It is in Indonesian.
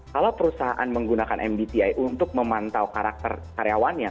kalau perusahaan menggunakan mbti untuk memantau karakter karyawannya